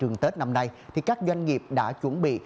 trường tết năm nay thì các doanh nghiệp đã chuẩn bị